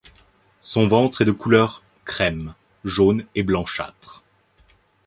Son ventre est de couleur crème, jaune et blanchâtre.